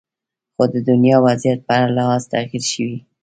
خو د دنیا وضعیت په هر لحاظ تغیر شوې